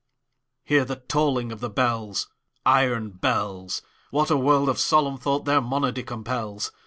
Hear the tolling of the bells, Iron bells! What a world of solemn thought their monody compels!